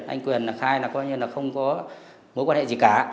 anh quyền khai là coi như là không có mối quan hệ gì cả